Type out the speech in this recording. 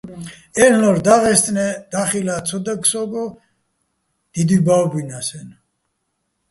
აილ'ნორ: დაღისტნე და́ხილა́ ცო დაგეგ სო́გო, დიდუჲ ბა́ვბინას-აჲნო̆.